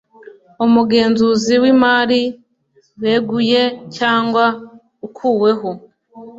Umugenzuzi w imari weguye cyangwa ukuweho